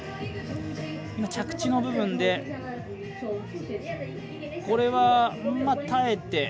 着地の部分で、これは耐えて。